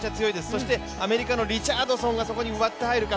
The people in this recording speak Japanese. そしてアメリカのリチャードソンがそこに割って入るか。